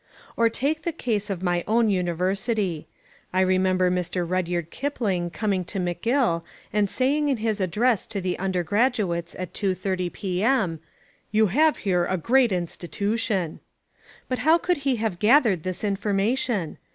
Or take the case of my own university. I remember Mr. Rudyard Kipling coming to McGill and saying in his address to the undergraduates at 2.30 P.M., "You have here a great institution." But how could he have gathered this information?